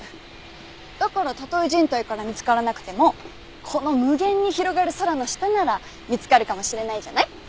だからたとえ人体から見つからなくてもこの無限に広がる空の下なら見つかるかもしれないじゃない？